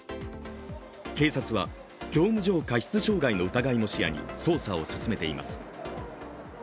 警察は業務上過失傷害の疑いも視野に捜査を進めています。